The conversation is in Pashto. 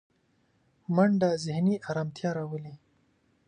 منډه ذهني ارامتیا راولي